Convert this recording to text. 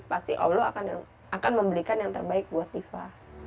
pasti allah akan memberikan yang terbaik buat diva